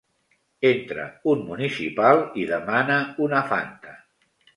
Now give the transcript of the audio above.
Entra un municipal i demana una fanta.